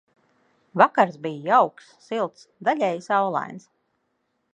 Vakars bija jauks, silts, daļēji saulains.